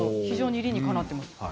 非常に理にかなってます。